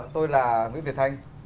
tôi là nguyễn việt thanh